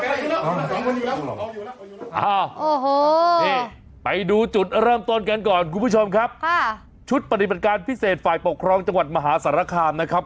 โอ้โหนี่ไปดูจุดเริ่มต้นกันก่อนคุณผู้ชมครับค่ะชุดปฏิบัติการพิเศษฝ่ายปกครองจังหวัดมหาสารคามนะครับ